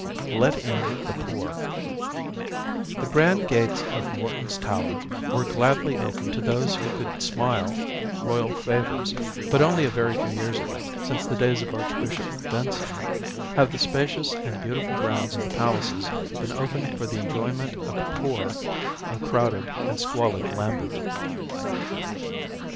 Let in the Poor The grand gates of Morton's Tower were gladly opened to those who could smile royal favors, but only a very few years ago â€" since the days of Archbishop Benson â€" have the spacious and beauti ful grounds of the palaces been open for the enjoyment of the poor of crowded and squalid Lambeth.